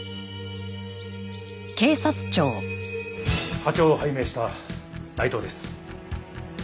課長を拝命した内藤です。